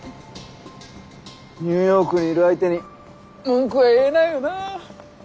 ニューヨークにいる相手に文句は言えないよな。